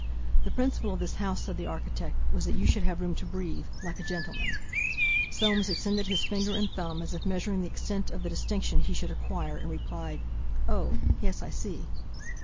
"The principle of this house," said the architect, "was that you should have room to breathe—like a gentleman!" Soames extended his finger and thumb, as if measuring the extent of the distinction he should acquire; and replied: "Oh! yes; I see."